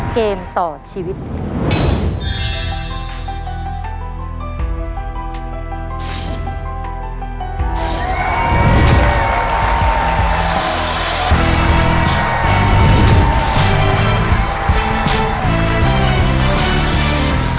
เกมต่อชีวิต